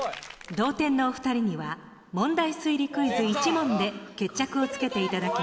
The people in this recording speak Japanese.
同点のお二人には問題推理クイズ１問で決着をつけて頂きます。